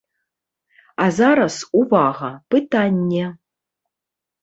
А зараз, увага, пытанне!